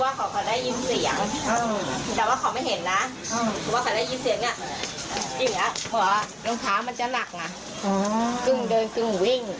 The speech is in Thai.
คือว่าเขาได้ยินเสียง